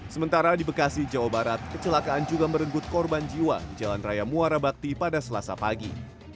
sementara di bekasi jawa barat kecelakaan juga merenggut korban jiwa di jalan raya muara bakti pada selasa pagi